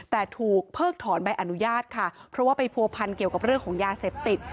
แต่ถูกเพิกถอนใบอนุญาตค่ะเพราะว่าไปผัวพันเกี่ยวกับเรื่องของยาเสพติด